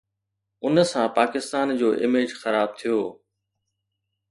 ان سان پاڪستان جو اميج خراب ٿيو.